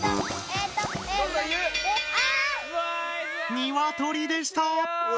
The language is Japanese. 「ニワトリ」でした。